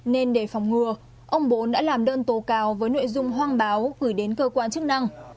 nên để phòng ngừa ông bốn đã làm đơn tố cáo với nội dung hoang báo gửi đến cơ quan chức năng